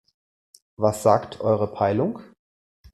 Was sagt eure Peilung?